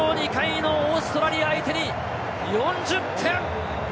優勝２回のオーストラリア相手に４０点！